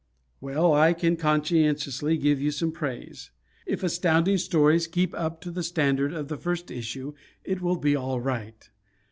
Well, I can conscientiously give you some praise. If Astounding Stories keep up to the standard of the first issue it will be all right.